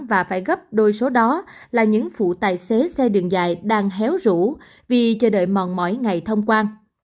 và phải gấp đôi số đó là những phụ tài xế xe đường dài đang héo rũ vì chờ đợi mòn mỏ mỗi ngày thông quan